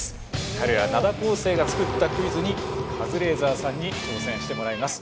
彼ら灘高生が作ったクイズにカズレーザーさんに挑戦してもらいます。